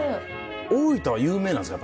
大分は有名なんですか？